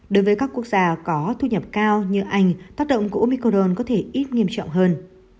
đối với các quốc gia có thu nhập cao như anh tác động của omicorn có thể ít nghiêm trọng hơn